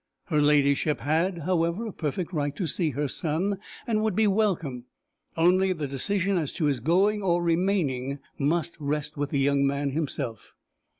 Her ladyship had, however, a perfect right to see her son, and would be welcome; only the decision as to his going or remaining must rest with the young man himself.